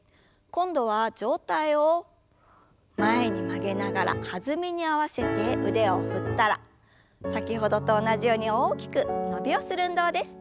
今度は上体を前に曲げながら弾みに合わせて腕を振ったら先ほどと同じように大きく伸びをする運動です。